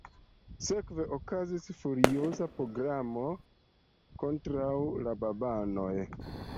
Sekve okazis furioza pogromo kontraŭ la babanoj.